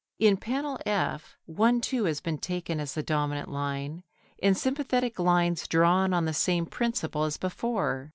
In Panel F, 1 2 has been taken as the dominant line, and sympathetic lines drawn on the same principle as before.